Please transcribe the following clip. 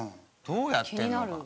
どうやってるのか。